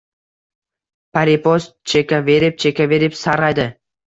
Papiros chekaverib-chekaverib sarg‘aydi.